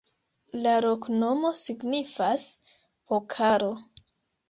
La loknomo signifas: pokalo.